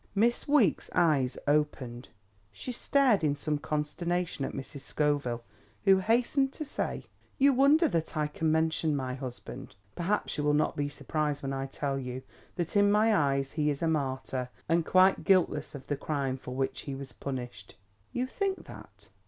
Miss Weeks' eyes opened. She stared in some consternation at Mrs. Scoville, who hastened to say: "You wonder that I can mention my husband. Perhaps you will not be so surprised when I tell you that in my eyes he is a martyr, and quite guiltless of the crime for which he was punished." "You think that?"